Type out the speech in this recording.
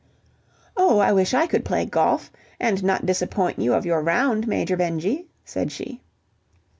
"Oh, I wish I could play golf, and not disappoint you of your round, Major Benjy," said she.